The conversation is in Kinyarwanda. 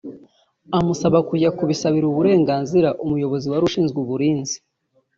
amusaba kujya kubisabira uburenganzira umuyobozi wari ushinzwe uburinzi